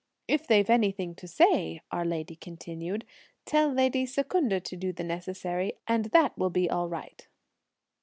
If they've anything to say," (our lady continued), "tell lady Secunda to do the necessary, and that will be right."